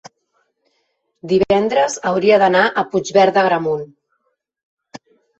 divendres hauria d'anar a Puigverd d'Agramunt.